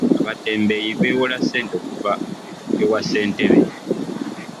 Abatembeeyi beewola ssente okuva ewa ssentebe.